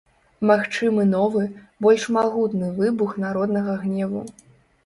Магчымы новы, больш магутны выбух народнага гневу.